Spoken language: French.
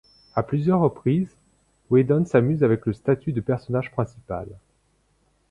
À plusieurs reprises, Whedon s'amuse avec le statut de personnage principal.